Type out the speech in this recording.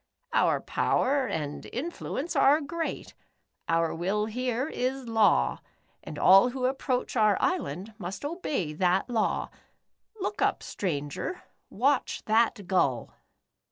" Our power and influence are great. Our will here is law, and all who approach our island must obey that law. Look up, stranger. Watch that gull."